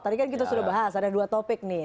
tadi kan kita sudah bahas ada dua topik nih